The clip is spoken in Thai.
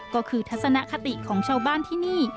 ก็คือทัศนคติของชาวบ้านที่นี่